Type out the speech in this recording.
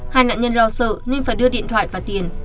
hai nạn nhân lo sợ nên phải đưa điện thoại và tiền